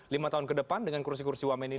lima tahun ke depan dengan kursi kursi wamen ini